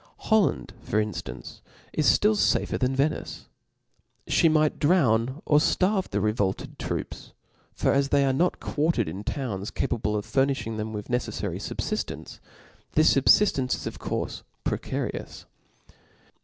Holland, for inftance, is ftill fafer than Venice ; fhe might jdrown or ftarve fhe revolted troops ; for as they are not quartered in towns capable of furnifhing them with neceflary fubfiftence, this i^bfiftence is of cpurfc precarious.